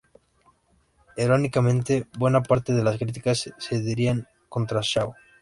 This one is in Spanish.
Irónicamente, buena parte de las críticas se dirigían contra Zhao.